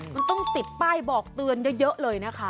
มันต้องติดป้ายบอกเตือนเยอะเลยนะคะ